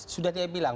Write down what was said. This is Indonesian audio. sudah dia bilang